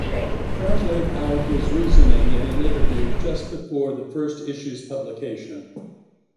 Grant laid out his reasoning in an interview just before the first issue's publication.